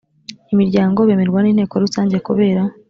imiryango bemerwa n inteko rusange kubera